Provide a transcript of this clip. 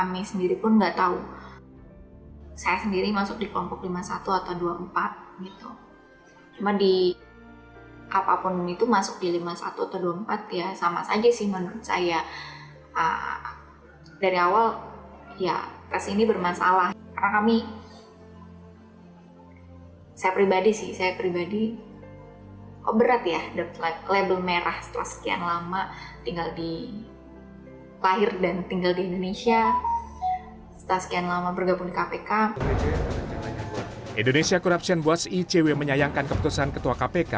berikutnya keputusan mahkamah konstitusi yang tidak diikuti pimpinan terkait alih status jabatan pegawai ini di dalam undang undang kpk